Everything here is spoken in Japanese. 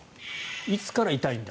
いつから痛いんだ？